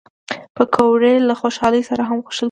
پکورې له خوشحالۍ سره هم خوړل کېږي